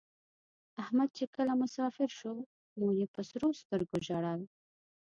احمد چې کله مسافر شو مور یې په سرو سترگو ژړل.